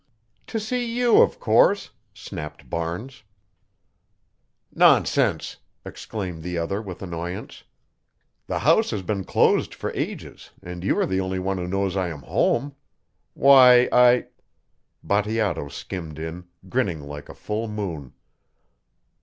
"To see you, of course," snapped Barnes. "Nonsense!" exclaimed the other with annoyance. "The house has been closed for ages and you are the only one who knows I am home. Why I" Bateato skimmed in, grinning like a full moon.